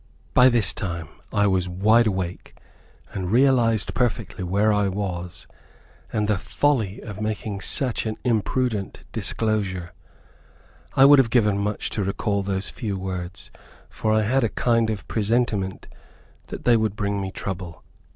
By this time, I was wide awake, and realized perfectly where I was, and the folly of making such an imprudent disclosure. I would have given much to recall those few words, for I had a kind of presentiment that they would bring me trouble.